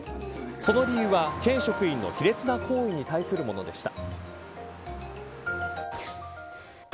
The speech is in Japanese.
その理由は県職員の卑劣な行為に対するものでした。